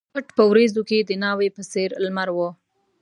پټ په وریځو کښي د ناوي په څېر لمر و